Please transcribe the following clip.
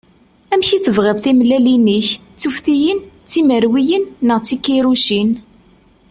Amek i tebɣiḍ timellalin-ik? D tuftiyin, d timerwiyin neɣ d tikiṛucin?